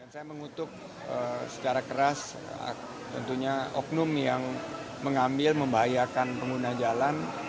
saya mengutuk secara keras tentunya oknum yang mengambil membahayakan pengguna jalan